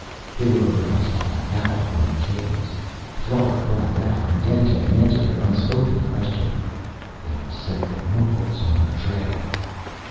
They were aroused by a howl from the Caves. Thrala cried out and Dandtan answered her unspoken question. "They have set the morgels on our trail!"